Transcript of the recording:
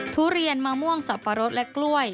ทุเรียนมะม่วงสับปะรดและกล้วย